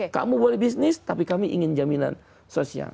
kamu boleh bisnis tapi kami ingin jaminan sosial